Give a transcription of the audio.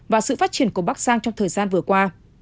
và sự phát triển của bắc giang trong thời gian vừa qua